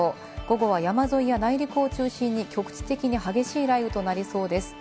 午後は山沿いや内陸を中心に局地的に激しい雷雨となりそうです。